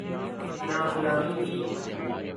نہ غلامی کی۔